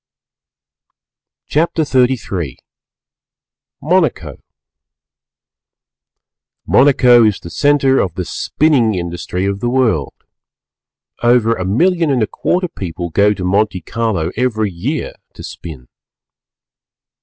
CHAPTER XXXIII MONACO Monaco is the centre of the spinning industry of the world. Over a million and a quarter people go to Monte Carlo every year to spin.